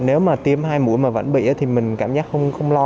nếu mà tiêm hai mũi thì mình sẽ không bị những triệu chứng mạnh